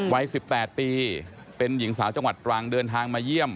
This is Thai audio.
วัย๑๘ปีเป็นหญิงสาวจังหวัดตรังเดินทางมาเยี่ยม